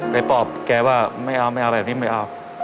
ไปปอบแกว่าไม่เอาแบบนี้ไม่เอา